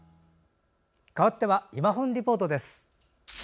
かわっては「いまほんリポート」です。